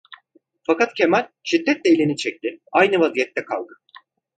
Fakat Kemal şiddetle elini çekti, aynı vaziyette kaldı.